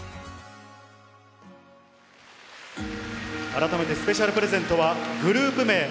改めてスペシャルプレゼントは、グループ名。